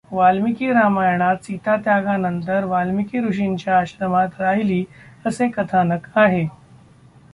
वाल्मिकी रामायणात सीतात्यागानंतर वाल्मिकी ऋषींच्या आश्रमात राहिली असे कथानक आहे.